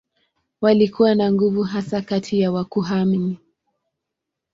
Walikuwa na nguvu hasa kati ya makuhani.